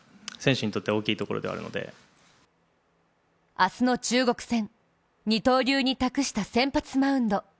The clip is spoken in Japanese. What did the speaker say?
明日の中国戦、二刀流に託した先発マウンド。